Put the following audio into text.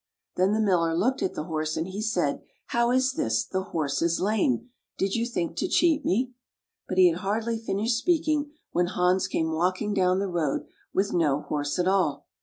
Then the Miller looked at the horse, and he said, " How is this? The horse is lame. Did you think to cheat me? " But he had hardly finished speaking when Hans came walking down the road with no horse at all.